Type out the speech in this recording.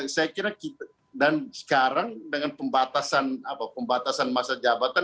saya kira kita dan sekarang dengan pembatasan masa jabatan